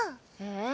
ええ？